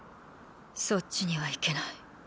そっちには行けない。